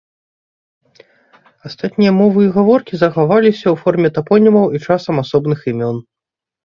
Астатнія мовы і гаворкі захаваліся ў форме тапонімаў і часам асобных імён.